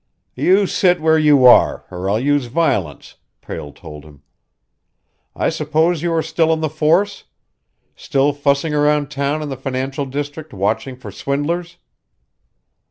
"You sit where you are, or I'll use violence!" Prale told him. "I suppose you are still on the force? Still fussing around down in the financial district watching for swindlers?"